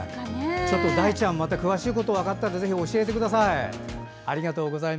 だいちゃんまた詳しいこと分かったらぜひ教えてください。